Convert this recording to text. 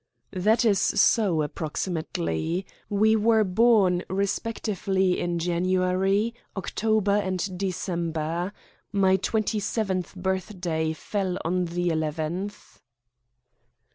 "That is so, approximately. We were born respectively in January, October, and December. My twenty seventh birthday fell on the 11th."